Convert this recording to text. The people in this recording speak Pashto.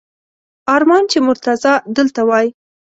ارمان چې مرتضی دلته وای!